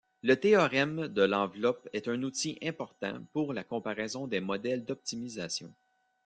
Le théorème de l'enveloppe est un outil important pour la comparaison des modèles d'optimisation.